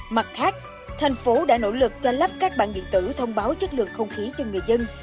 mặt khác thành phố đã nỗ lực cho lắp các bản điện tử thông báo chất lượng không khí cho người dân